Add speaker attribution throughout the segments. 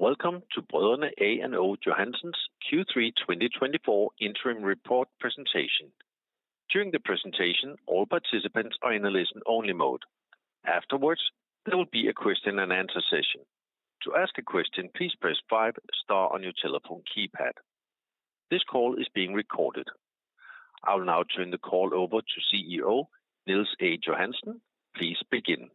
Speaker 1: Welcome to Brødrene A & O Johansen's Q3 2024 Interim Report Presentation. During the presentation, all participants are in a listen-only mode. Afterwards, there will be a question and answer session. To ask a question, please press five star on your telephone keypad. This call is being recorded. I will now turn the call over to CEO Niels A. Johansen. Please begin.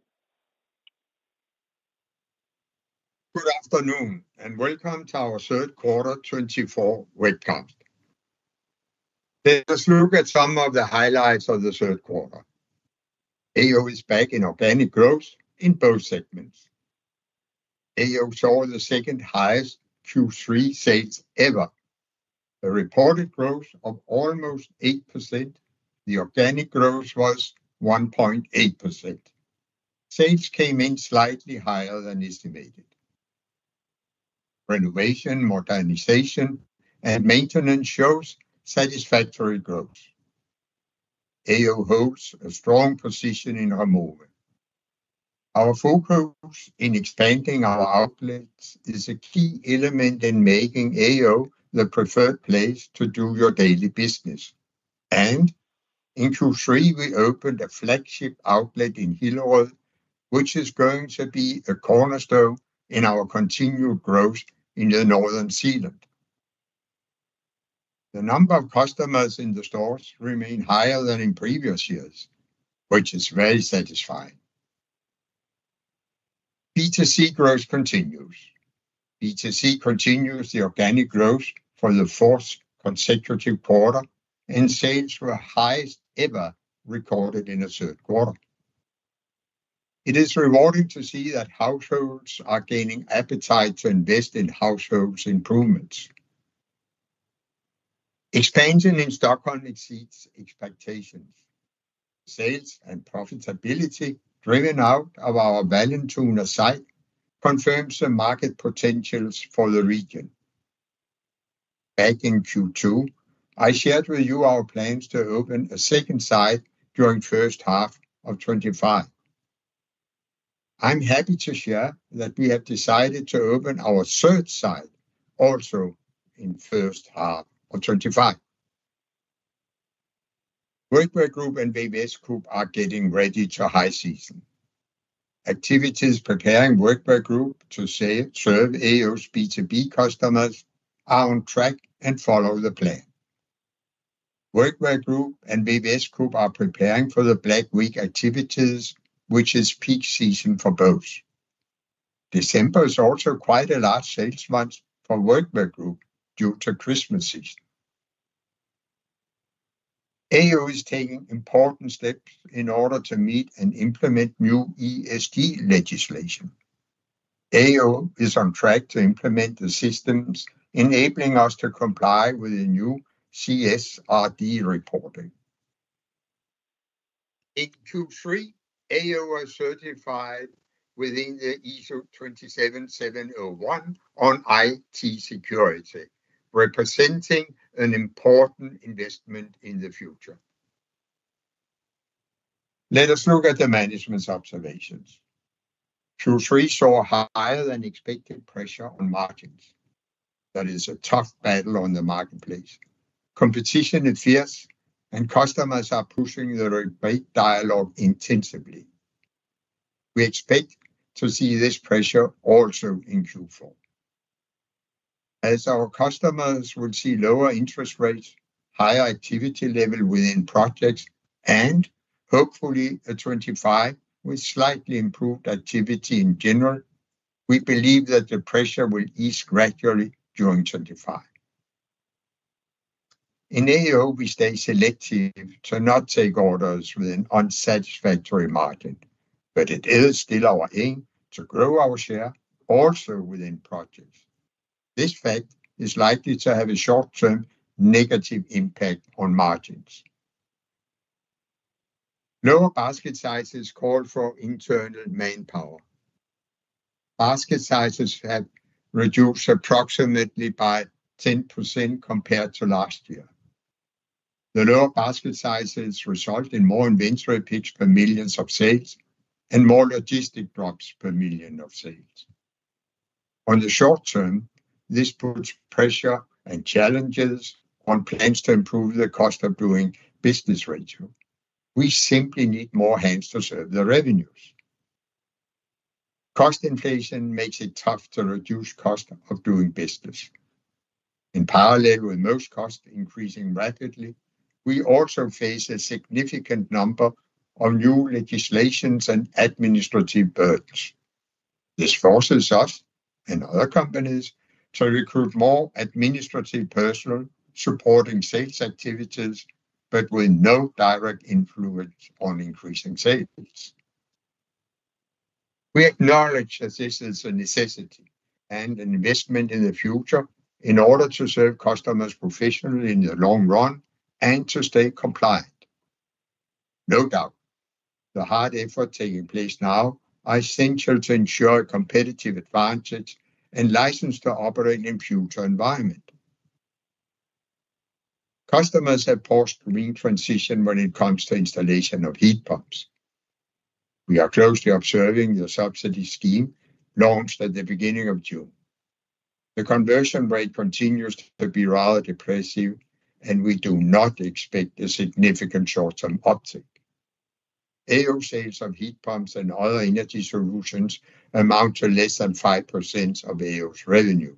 Speaker 2: Good afternoon, and welcome to our Q3 2024 Webcast. Let us look at some of the highlights of the Q3. AO is back in organic growth in both segments. AO saw the second highest Q3 sales ever, a reported growth of almost 8%, the organic growth was 1.8%. Sales came in slightly higher than estimated. Renovation, modernization, and maintenance shows satisfactory growth. AO holds a strong position in home improvement. Our focus in expanding our outlets is a key element in making AO the preferred place to do your daily business. And in Q3, we opened a flagship outlet in Hillerød, which is going to be a cornerstone in our continued growth in the North Zealand. The number of customers in the stores remain higher than in previous years, which is very satisfying. B2C growth continues. B2C continues the organic growth for the fourth consecutive quarter, and sales were highest ever recorded in the Q3. It is rewarding to see that households are gaining appetite to invest in household improvements. Expansion in Stockholm exceeds expectations. Sales and profitability, driven out of our Vallentuna site, confirms the market potentials for the region. Back in Q2, I shared with you our plans to open a second site during first half of 2025. I'm happy to share that we have decided to open our third site also in first half of 2025. Workwear Group and VVS Group are getting ready to high season. Activities preparing Workwear Group to serve AO's B2B customers are on track and follow the plan. Workwear Group and VVS Group are preparing for the Black Week activities, which is peak season for both. December is also quite a large sales month for Workwear Group due to Christmas season. AO is taking important steps in order to meet and implement new ESG legislation. AO is on track to implement the systems enabling us to comply with the new CSRD reporting. In Q3, AO was certified within the ISO 27701 on IT security, representing an important investment in the future. Let us look at the management's observations. Q3 saw higher than expected pressure on margins. That is a tough battle on the marketplace. Competition is fierce, and customers are pushing the rebate dialogue intensively. We expect to see this pressure also in Q4. As our customers will see lower interest rates, higher activity level within projects, and hopefully at 2025, with slightly improved activity in general, we believe that the pressure will ease gradually during 2025. In AO, we stay selective to not take orders with an unsatisfactory margin, but it is still our aim to grow our share also within projects. This fact is likely to have a short-term negative impact on margins. Lower basket sizes call for internal manpower. Basket sizes have reduced approximately by 10% compared to last year. The lower basket sizes result in more inventory picks per millions of sales and more logistic drops per million of sales. On the short term, this puts pressure and challenges on plans to improve the cost of doing business ratio. We simply need more hands to serve the revenues. Cost inflation makes it tough to reduce cost of doing business. In parallel, with most costs increasing rapidly, we also face a significant number of new legislations and administrative burdens. This forces us and other companies to recruit more administrative personnel supporting sales activities, but with no direct influence on increasing sales. We acknowledge that this is a necessity and an investment in the future in order to serve customers professionally in the long run and to stay compliant. No doubt, the hard effort taking place now are essential to ensure a competitive advantage and license to operate in future environment. Customers have paused green transition when it comes to installation of heat pumps. We are closely observing the subsidy scheme launched at the beginning of June. The conversion rate continues to be rather depressive, and we do not expect a significant short-term uptick. AO sales of heat pumps and other energy solutions amount to less than 5% of AO's revenue.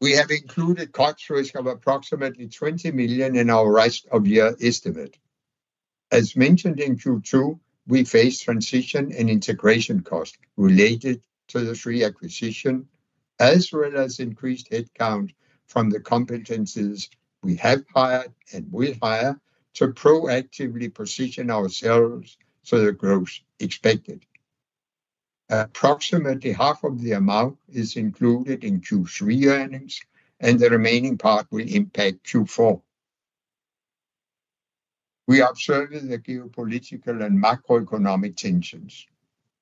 Speaker 2: We have included cost risk of approximately 20 million in our rest-of-year estimate. As mentioned in Q2, we face transition and integration costs related to the three acquisitions, as well as increased headcount from the competencies we have hired and will hire to proactively position ourselves for the growth expected. Approximately half of the amount is included in Q3 earnings, and the remaining part will impact Q4. We are observing the geopolitical and macroeconomic tensions.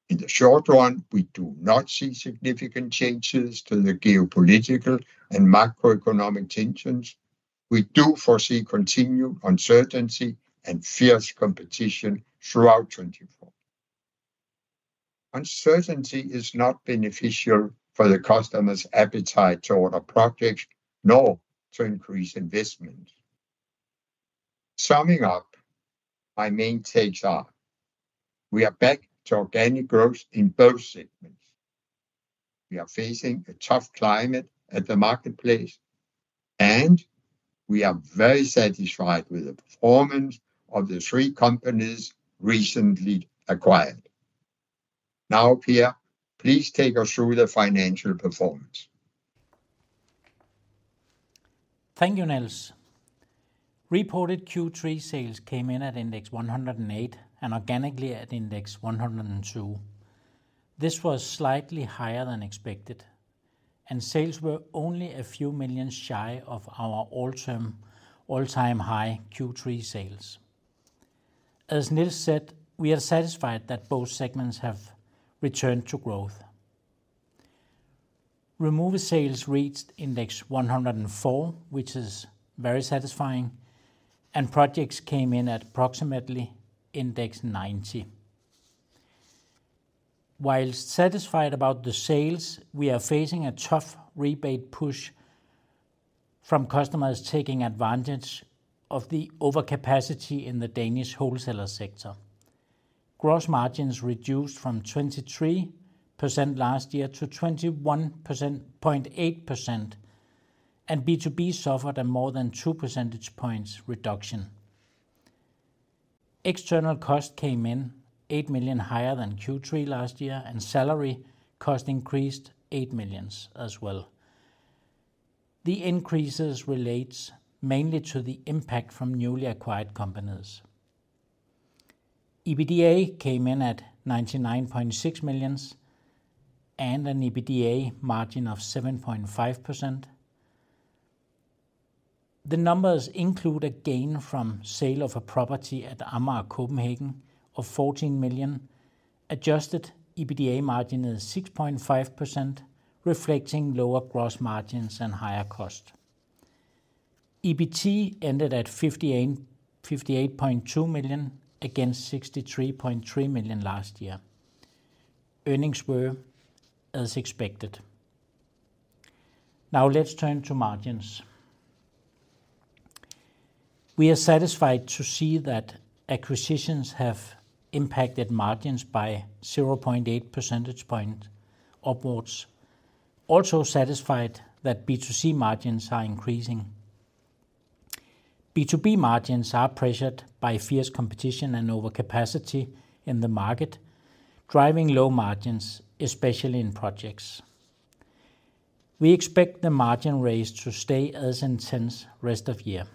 Speaker 2: In the short run, we do not see significant changes to the geopolitical and macroeconomic tensions. We do foresee continued uncertainty and fierce competition throughout 2024. Uncertainty is not beneficial for the customers' appetite to order projects, nor to increase investment. Summing up, my main takeaways are: we are back to organic growth in both segments. We are facing a tough climate at the marketplace, and we are very satisfied with the performance of the three companies recently acquired. Now, Per, please take us through the financial performance.
Speaker 3: Thank you, Niels. Reported Q3 sales came in at index one hundred and eight, and organically at index one hundred two. This was slightly higher than expected, and sales were only a few million shy of our all-time high Q3 sales. As Niels said, we are satisfied that both segments have returned to growth. Renovation sales reached index one hundred and four, which is very satisfying, and projects came in at approximately index ninety. While satisfied about the sales, we are facing a tough rebate push from customers taking advantage of the overcapacity in the Danish wholesaler sector. Gross margins reduced from 23% last year to 21.8%, and B2B suffered a more than two percentage points reduction. External cost came in 8 million higher than Q3 last year, and salary cost increased 8 million as well. The increases relates mainly to the impact from newly acquired companies. EBITDA came in at 99.6 million and an EBITDA margin of 7.5%. The numbers include a gain from sale of a property at Amager, Copenhagen of 14 million. Adjusted EBITDA margin is 6.5%, reflecting lower gross margins and higher cost. EBT ended at 58.2 million, against 63.3 million last year. Earnings were as expected. Now, let's turn to margins. We are satisfied to see that acquisitions have impacted margins by 0.8 percentage point upwards. Also satisfied that B2C margins are increasing. B2B margins are pressured by fierce competition and overcapacity in the market, driving low margins, especially in projects. We expect the margin rates to stay as intense rest of year.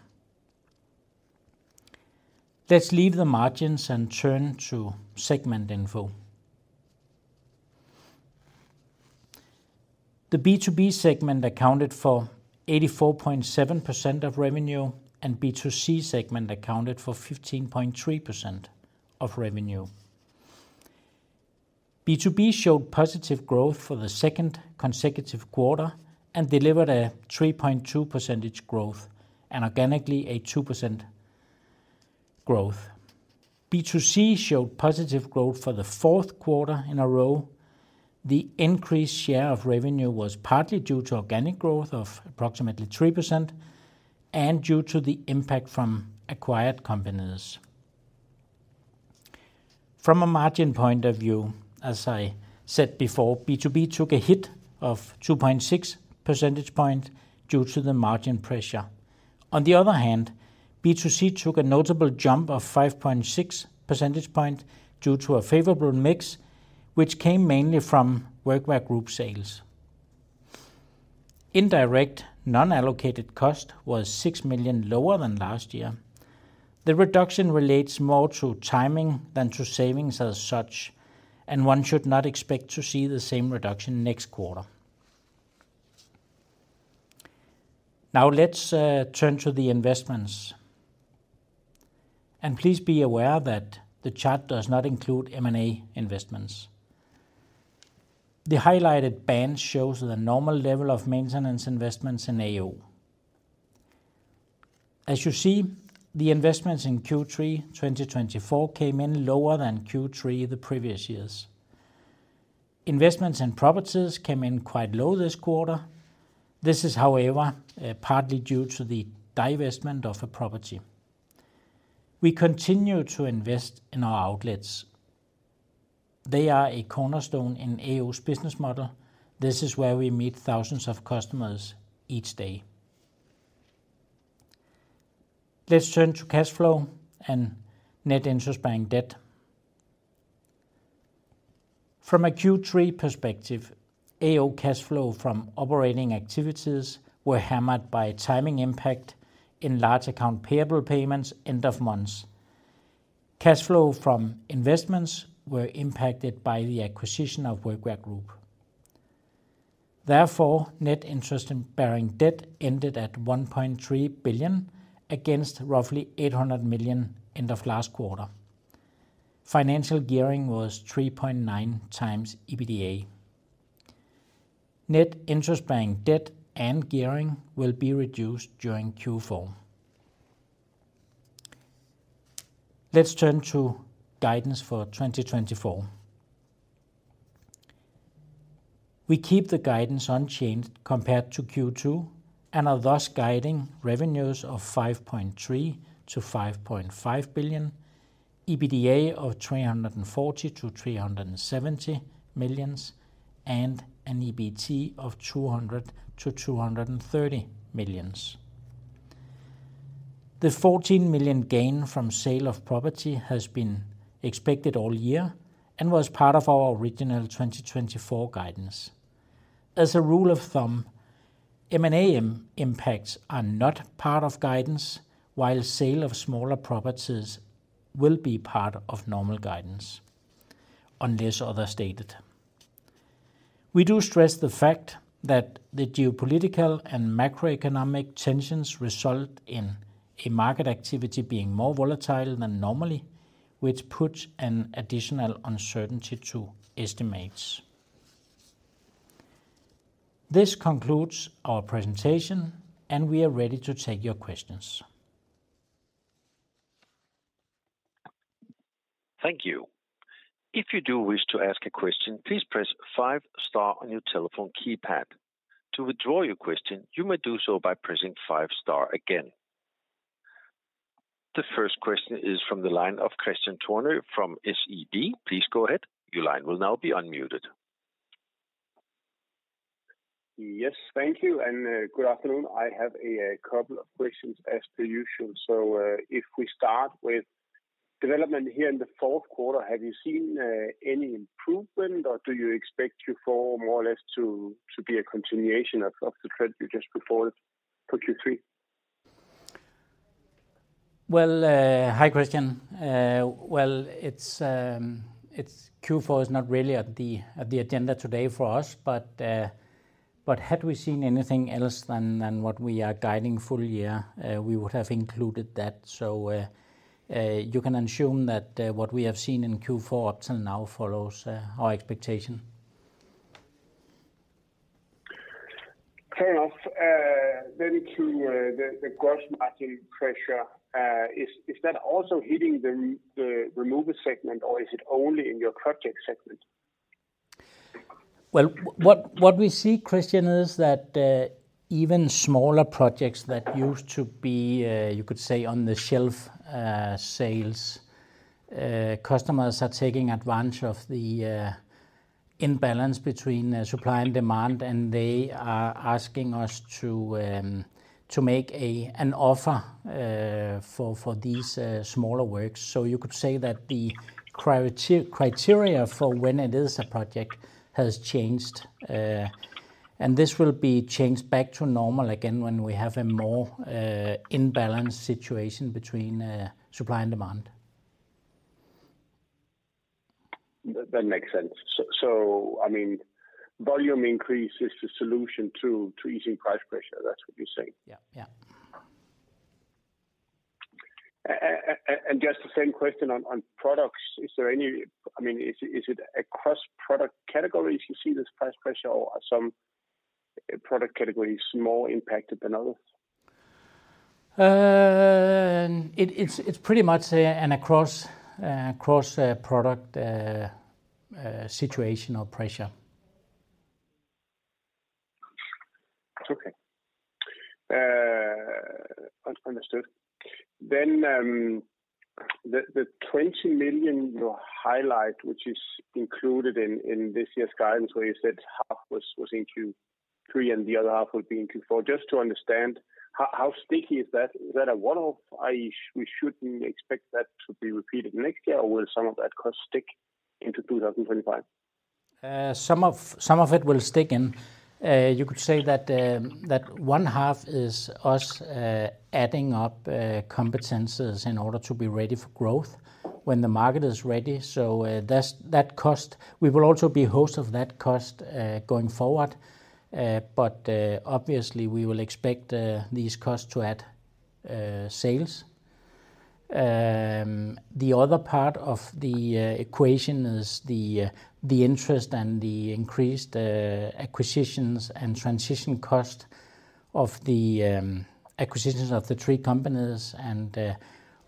Speaker 3: Let's leave the margins and turn to segment info. The B2B segment accounted for 84.7% of revenue, and B2C segment accounted for 15.3% of revenue. B2B showed positive growth for the second consecutive quarter and delivered a 3.2 percentage growth, and organically, a 2% growth. B2C showed positive growth for the Q4 in a row. The increased share of revenue was partly due to organic growth of approximately 3% and due to the impact from acquired companies. From a margin point of view, as I said before, B2B took a hit of 2.6 percentage point due to the margin pressure. On the other hand, B2C took a notable jump of 5.6 percentage point due to a favorable mix, which came mainly from Workwear group sales. Indirect, non-allocated cost was 6 million lower than last year. The reduction relates more to timing than to savings as such, and one should not expect to see the same reduction next quarter. Now, let's turn to the investments, and please be aware that the chart does not include M&A investments. The highlighted band shows the normal level of maintenance investments in AO. As you see, the investments in Q3 2024 came in lower than Q3 the previous years. Investments and properties came in quite low this quarter. This is, however, partly due to the divestment of a property. We continue to invest in our outlets. They are a cornerstone in AO's business model. This is where we meet thousands of customers each day. Let's turn to cash flow and net interest bearing debt. From a Q3 perspective, AO cash flow from operating activities were hammered by timing impact in large account payable payments end of months. Cash flow from investments were impacted by the acquisition of Workwear Group. Therefore, net interest-bearing debt ended at 1.3 billion, against roughly 800 million end of last quarter. Financial gearing was 3.9 times EBITDA. Net interest-bearing debt and gearing will be reduced during Q4. Let's turn to guidance for 2024. We keep the guidance unchanged compared to Q2, and are thus guiding revenues of 5.3-5.5 billion, EBITDA of 340-370 million, and an EBT of 200-230 million. The 14 million gain from sale of property has been expected all year and was part of our original 2024 guidance. As a rule of thumb, M&A impacts are not part of guidance, while sale of smaller properties will be part of normal guidance, unless otherwise stated. We do stress the fact that the geopolitical and macroeconomic tensions result in a market activity being more volatile than normal, which puts an additional uncertainty to estimates. This concludes our presentation, and we are ready to take your questions.
Speaker 1: Thank you. If you do wish to ask a question, please press five star on your telephone keypad. To withdraw your question, you may do so by pressing five star again. The first question is from the line of Kristian Turner from SEB. Please go ahead. Your line will now be unmuted.
Speaker 4: Yes, thank you, and good afternoon. I have a couple of questions, as per usual. So, if we start with development here in the Q4, have you seen any improvement, or do you expect Q4 more or less to be a continuation of the trend you just reported for Q3?
Speaker 3: Hi, Christian. Q4 is not really on the agenda today for us, but had we seen anything else than what we are guiding full year, we would have included that. You can assume that what we have seen in Q4 up till now follows our expectation.
Speaker 4: Fair enough. Then to the gross margin pressure, is that also hitting the removal segment, or is it only in your project segment?
Speaker 3: Well, what we see, Christian, is that even smaller projects that used to be, you could say, on the shelf sales, customers are taking advantage of the imbalance between supply and demand, and they are asking us to make an offer for these smaller works. So you could say that the criteria for when it is a project has changed, and this will be changed back to normal again, when we have a more imbalanced situation between supply and demand.
Speaker 4: That makes sense. So, I mean, volume increase is the solution to easing price pressure, that's what you're saying?
Speaker 3: Yeah. Yeah.
Speaker 4: Just the same question on products. Is there any? I mean, is it across product categories you see this price pressure, or are some product categories more impacted than others?
Speaker 3: It's pretty much an across product situation or pressure.
Speaker 4: Okay. Understood. Then, the 20 million you highlight, which is included in this year's guidance, where you said half was in Q3, and the other half would be in Q4. Just to understand, how sticky is that? Is that a one-off? We shouldn't expect that to be repeated next year, or will some of that cost stick into 2025?
Speaker 3: Some of it will stick in. You could say that one half is us adding up competencies in order to be ready for growth when the market is ready. So that's that cost, we will also bear that cost going forward. But obviously, we will expect these costs to add sales. The other part of the equation is the interest and the increased acquisitions and transition cost of the acquisitions of the three companies. And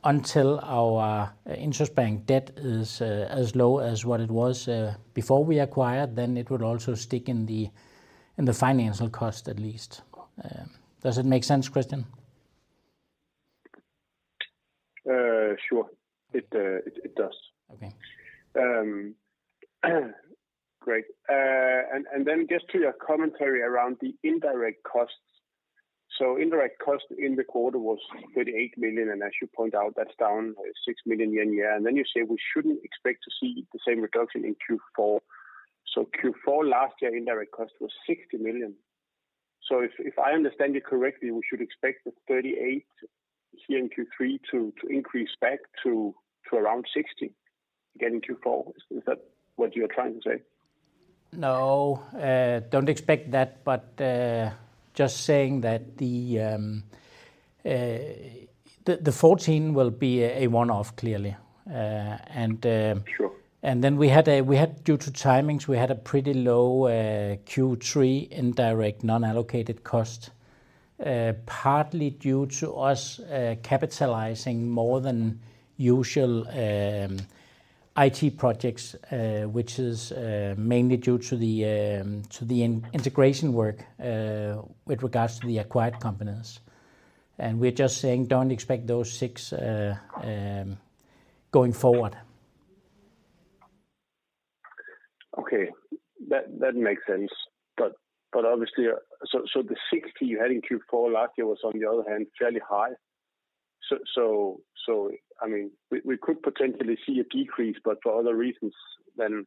Speaker 3: until our interest bank debt is as low as what it was before we acquired, then it would also stick in the financial cost, at least. Does it make sense, Christian?
Speaker 4: Sure. It does.
Speaker 3: Okay.
Speaker 4: Great. And then just to your commentary around the indirect costs. Indirect cost in the quarter was 38 million, and as you point out, that's down 6 million year on year. You say we shouldn't expect to see the same reduction in Q4. Q4 last year, indirect cost was 60 million. If I understand you correctly, we should expect the thirty-eight here in Q3 to increase back to around sixty, again, in Q4. Is that what you're trying to say?
Speaker 3: No, don't expect that, but just saying that the fourteen will be a one-off, clearly. And
Speaker 4: Sure.
Speaker 3: And then we had, due to timings, a pretty low Q3 indirect non-allocated cost, partly due to us capitalizing more than usual IT projects, which is mainly due to the integration work with regards to the acquired companies. And we're just saying don't expect those six going forward.
Speaker 4: Okay, that makes sense. But obviously... So the sixty you had in Q4 last year was, on the other hand, fairly high. So, I mean, we could potentially see a decrease, but for other reasons than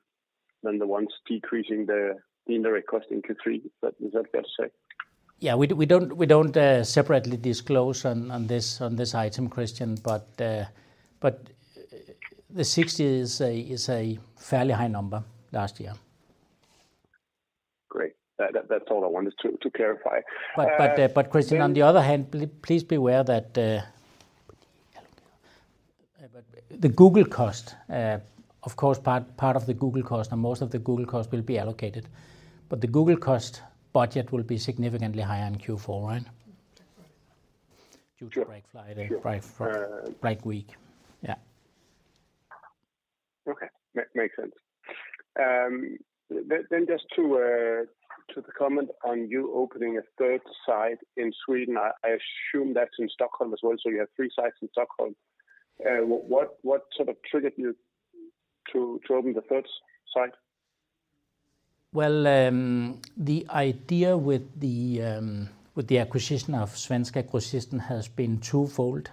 Speaker 4: the ones decreasing the indirect cost in Q3. But is that fair to say?
Speaker 3: We don't separately disclose on this item, Christian, but the sixty is a fairly high number last year.
Speaker 4: Great. That's all I wanted to clarify.
Speaker 3: But Christian, on the other hand, please be aware that the Google cost, of course, part of the Google cost and most of the Google cost will be allocated, but the Google cost budget will be significantly higher in Q4, right?
Speaker 4: Sure.
Speaker 3: Due to Black Friday and Black Week.
Speaker 4: Okay, makes sense. Then just to the comment on you opening a third site in Sweden, I assume that's in Stockholm as well, so you have three sites in Stockholm. What triggered you to open the third site?
Speaker 3: The idea with the acquisition of Svenska VA-Grossisten has been twofold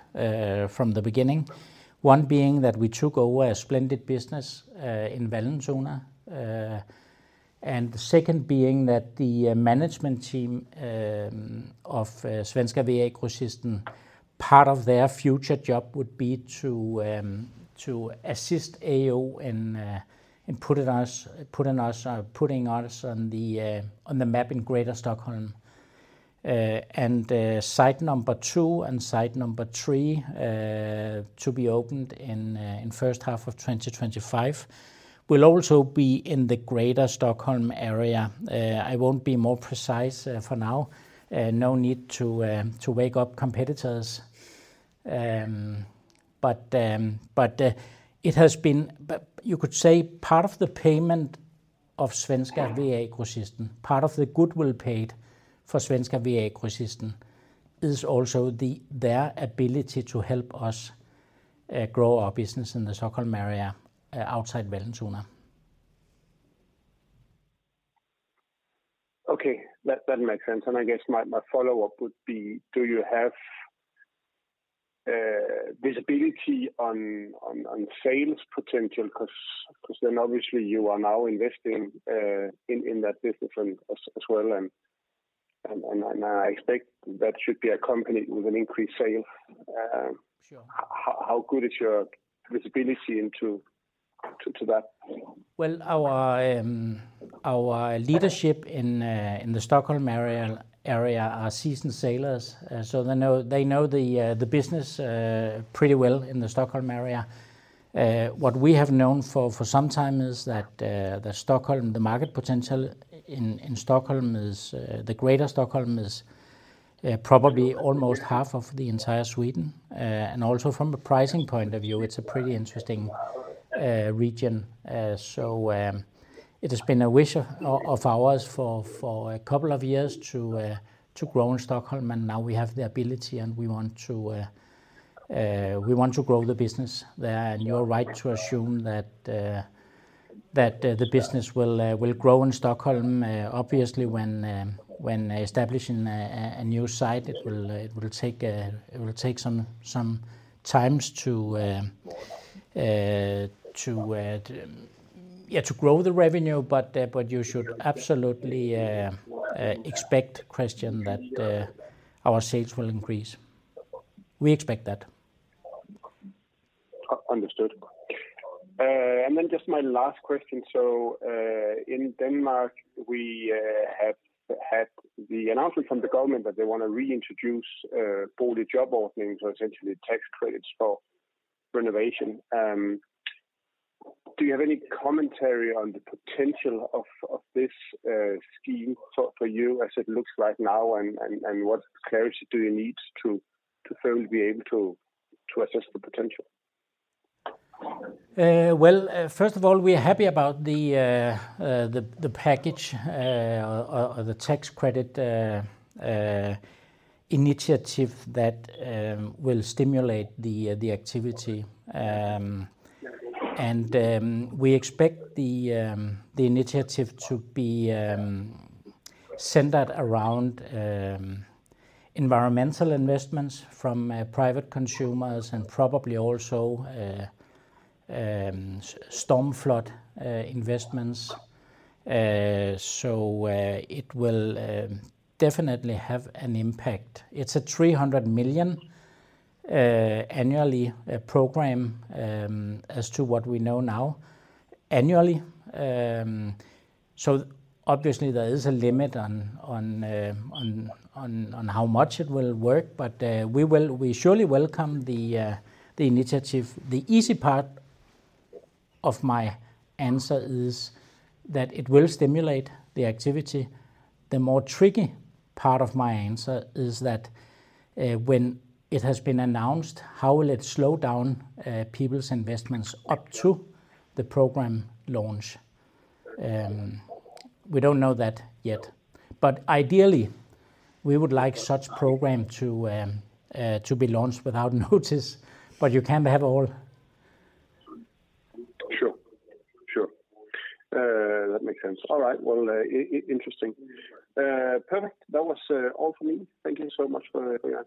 Speaker 3: from the beginning. One being that we took over a splendid business in Vallentuna, and the second being that the management team of Svenska VA-Grossisten, part of their future job would be to assist AO in putting us on the map in Greater Stockholm. Site number two and site number three to be opened in first half of 2025 will also be in the Greater Stockholm area. I won't be more precise for now. No need to wake up competitors. It has been... But you could say part of the payment of Svenska VA-Grossisten, part of the goodwill paid for Svenska VA-Grossisten, is also the, their ability to help us, grow our business in the Stockholm area, outside Vallentuna.
Speaker 4: Okay, that makes sense. And my follow-up would be: Do you have visibility on sales potential? 'Cause then obviously you are now investing in that business as well, and I expect that should be accompanied with an increased sale.
Speaker 3: Sure.
Speaker 4: How good is your visibility into that?
Speaker 3: Our leadership in the Stockholm area are seasoned sailors, so they know the business pretty well in the Stockholm area. What we have known for some time is that the market potential in Stockholm, the Greater Stockholm, is probably almost half of the entire Sweden. And also from a pricing point of view, it's a pretty interesting region. So it has been a wish of ours for a couple of years to grow in Stockholm, and now we have the ability, and we want to grow the business there. You're right to assume that the business will grow in Stockholm. Obviously, when establishing a new site, it will take some times to grow the revenue. But you should absolutely expect, Christian, that our sales will increase. We expect that.
Speaker 4: Understood. And then just my last question. So, in Denmark, we have had the announcement from the government that they want to reintroduce the BoligJob scheme, or essentially tax credits for renovation. Do you have any commentary on the potential of this scheme for you as it looks like now, and what clarity do you need to fairly be able to assess the potential?
Speaker 3: Well, first of all, we are happy about the package or the tax credit initiative that will stimulate the activity. And we expect the initiative to be centered around environmental investments from private consumers and probably also storm flood investments. So it will definitely have an impact. It's a 300 million annually program, as to what we know now, annually. So obviously there is a limit on how much it will work, but we surely welcome the initiative. The easy part of my answer is that it will stimulate the activity. The more tricky part of my answer is that, when it has been announced, how will it slow down people's investments up to the program launch? We don't know that yet. But ideally, we would like such program to be launched without notice but you can't have it all.
Speaker 4: Sure. Sure. That makes sense. All right, well, interesting. Perfect. That was all for me. Thank you so much for the answers.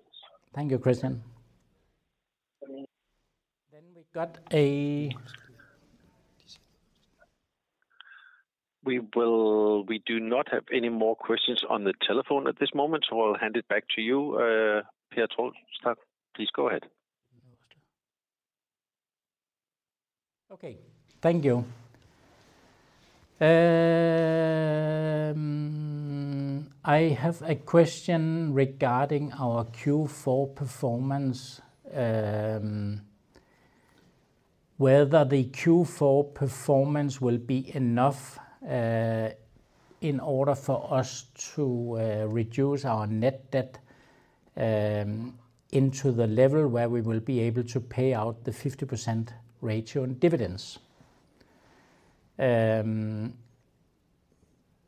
Speaker 3: Thank you, Christian. Then we got.
Speaker 1: We do not have any more questions on the telephone at this moment, so I'll hand it back to you, Per Toelstang. Please go ahead.
Speaker 3: Okay. Thank you. I have a question regarding our Q4 performance. Whether the Q4 performance will be enough in order for us to reduce our net debt into the level where we will be able to pay out the 50% ratio in dividends.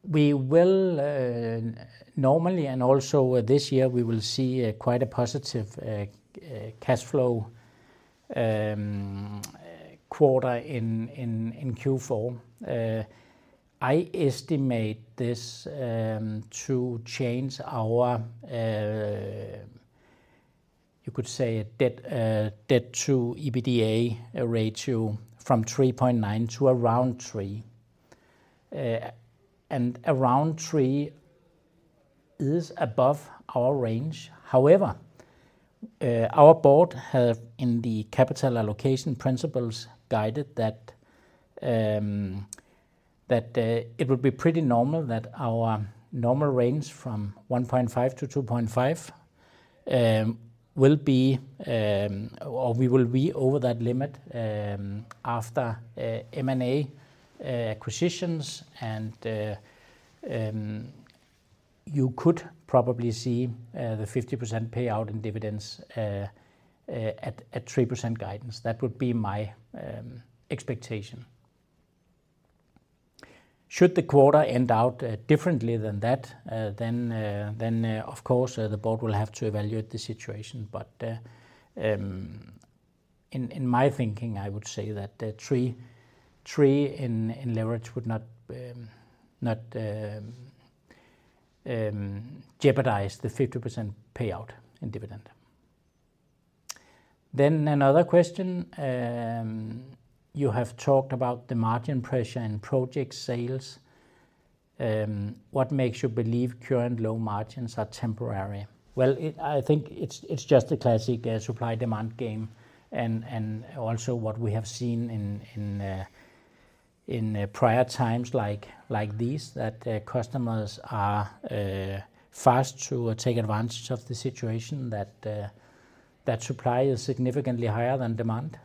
Speaker 3: We will normally, and also this year, we will see quite a positive cash flow quarter in Q4. I estimate this to change our, you could say, debt to EBITDA ratio from 3.9 to around 3. And around 3 is above our range. However, our board have, in the capital allocation principles, guided that it would be pretty normal that our normal range from 1.5 to 2.5 will be, or we will be over that limit, after M&A acquisitions, and you could probably see the 50% payout in dividends at 3% guidance. That would be my expectation. Should the quarter end out differently than that, then of course the board will have to evaluate the situation. But in my thinking, I would say that the 3 in leverage would not jeopardize the 50% payout in dividend. Then another question, you have talked about the margin pressure in project sales. What makes you believe current low margins are temporary? It's just a classic supply-demand game, and also what we have seen in prior times like these, that customers are fast to take advantage of the situation, that supply is significantly higher than demand.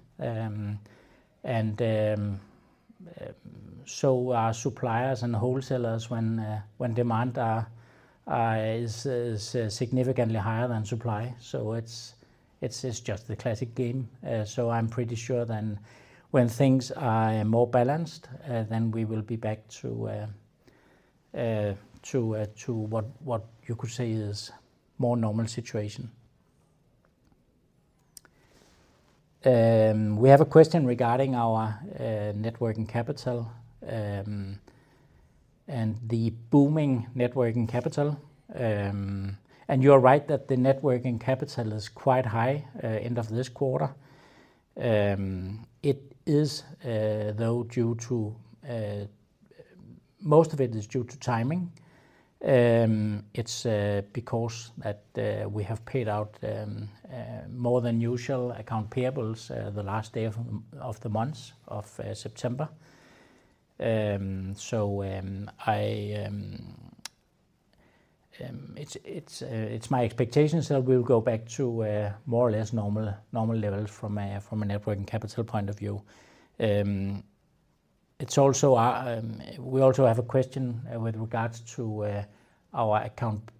Speaker 3: So are suppliers and wholesalers when demand is significantly higher than supply. So it's just the classic game. So I'm pretty sure then when things are more balanced, then we will be back to what you could say is more normal situation. We have a question regarding our working capital, and the booming working capital. And you are right that the net working capital is quite high, end of this quarter. It is though due to. Most of it is due to timing. It's because that we have paid out more than usual accounts payable the last day of the month of September. So, it's my expectations that we'll go back to more or less normal levels from a net working capital point of view. It's also. We also have a question with regards to our accounts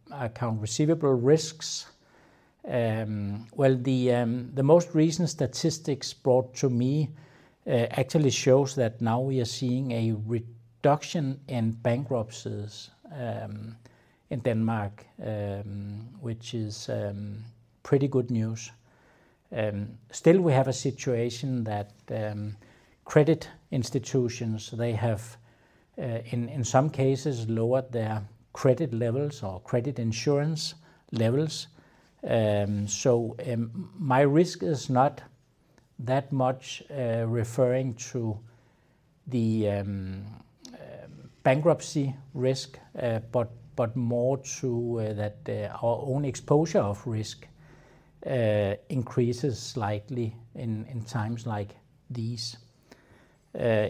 Speaker 3: receivable risks. Well, the most recent statistics brought to me actually shows that now we are seeing a reduction in bankruptcies in Denmark, which is pretty good news. Still, we have a situation that credit institutions, they have, in some cases, lowered their credit levels or credit insurance levels. So, my risk is not that much referring to the bankruptcy risk, but more to that our own exposure of risk increases slightly in times like these.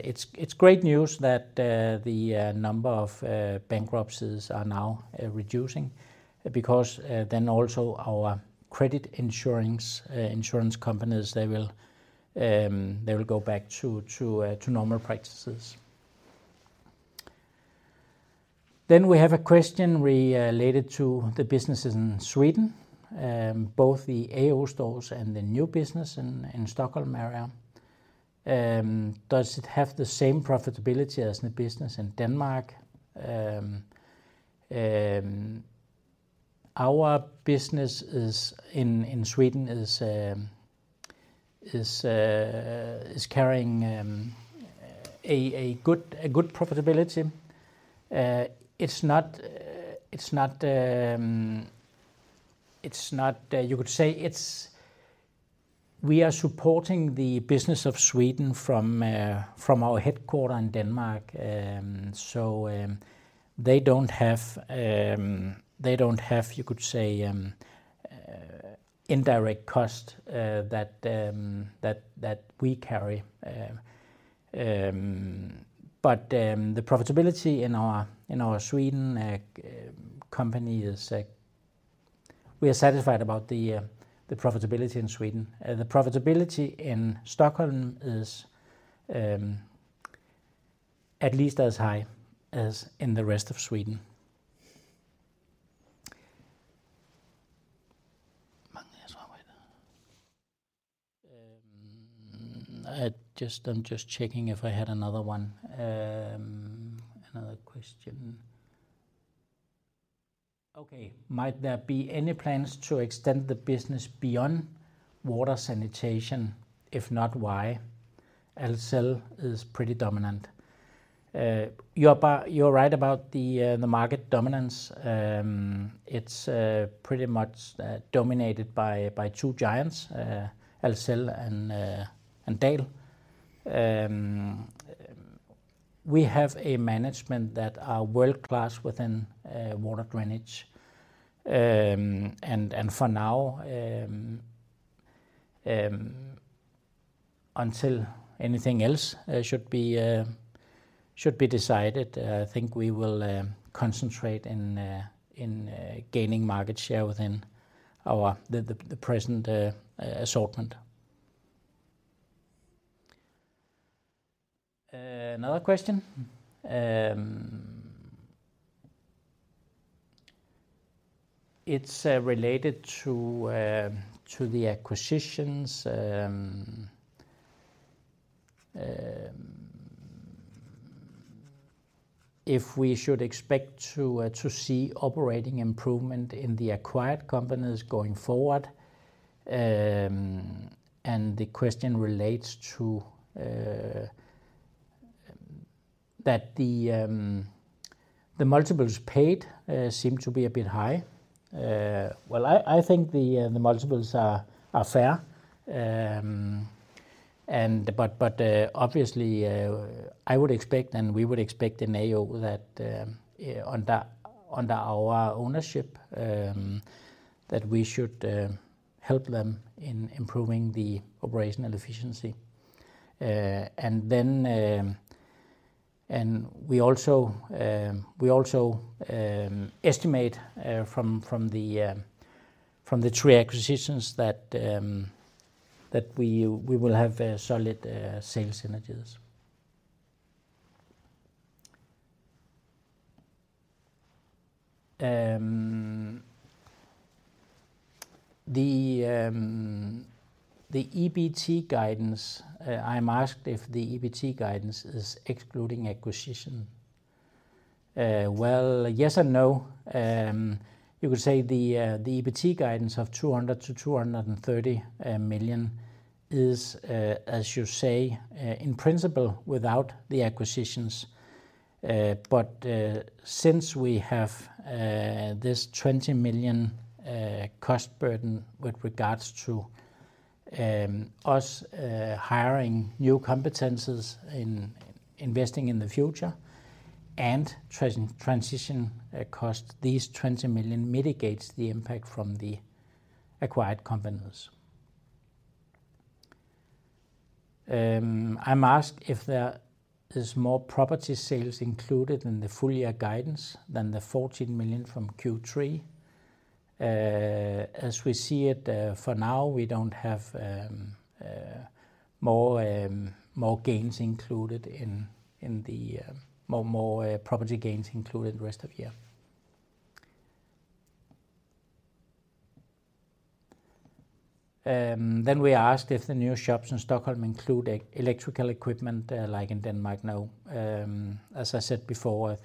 Speaker 3: It's great news that the number of bankruptcies are now reducing, because then also our credit insurers insurance companies, they will go back to normal practices. Then we have a question related to the businesses in Sweden, both the AO stores and the new business in Stockholm area. Does it have the same profitability as the business in Denmark? Our business is in Sweden is carrying a good profitability. It's not... You could say it's- we are supporting the business of Sweden from our headquarter in Denmark. So, they don't have, you could say, indirect cost that we carry. But, the profitability in our Sweden company is we are satisfied about the profitability in Sweden. The profitability in Stockholm is at least as high as in the rest of Sweden. I just, I'm just checking if I had another one, another question. Okay. Might there be any plans to extend the business beyond water sanitation? If not, why? Xylem is pretty dominant. You're right about the market dominance. It's pretty much dominated by two giants, Xylem and Dahl. We have a management that are world-class within water drainage. And for now, until anything else should be decided, we will concentrate in gaining market share within the present assortment. Another question, it's related to the acquisitions. If we should expect to see operating improvement in the acquired companies going forward. And the question relates to that the multiples paid seem to be a bit high. Well, the multiples are fair. Obviously, I would expect, and we would expect in AO that under our ownership that we should help them in improving the operational efficiency. And then, and we also estimate from the three acquisitions that we will have a solid sales synergies. The EBT guidance, I'm asked if the EBT guidance is excluding acquisition. Well, yes and no. You could say the EBT guidance of 200 million-230 million is, as you say, in principle, without the acquisitions. But since we have this 20 million DKK cost burden with regards to us hiring new competencies in investing in the future and transition cost, these 20 million DKK mitigates the impact from the acquired companies. I'm asked if there is more property sales included in the full year guidance than the 14 million DKK from Q3. As we see it, for now, we don't have more property gains included the rest of year. Then we are asked if the new shops in Stockholm include electrical equipment like in Denmark? No. As I said before,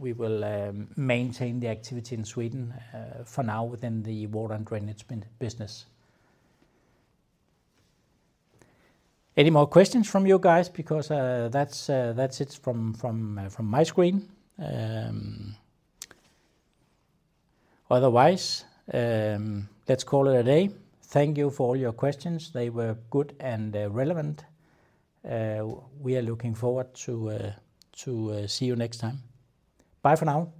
Speaker 3: we will maintain the activity in Sweden, for now, within the water and drainage business. Any more questions from you guys? Because, that's it from my screen. Otherwise, let's call it a day. Thank you for all your questions. They were good and relevant. We are looking forward to see you next time. Bye for now.